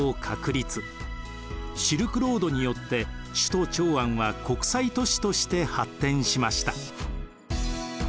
シルクロードによって首都長安は国際都市として発展しました。